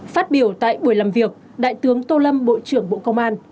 phát biểu tại buổi làm việc đại tướng tô lâm bộ trưởng bộ công an